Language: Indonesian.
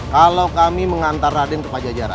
kalau kami mengantar raden ke pajajaran